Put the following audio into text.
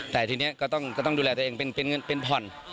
แต่ทีนี้ก็ต้องดูแลตัวเองเป็นผ่อน